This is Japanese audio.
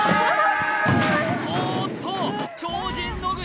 おっと超人野口